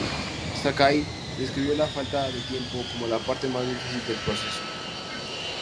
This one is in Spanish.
Sakai describió la falta de tiempo como la "parte más difícil" del proceso.